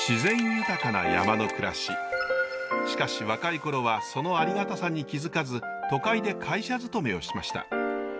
しかし若い頃はそのありがたさに気付かず都会で会社勤めをしました。